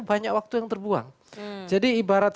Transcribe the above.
banyak waktu yang terbuang jadi ibarat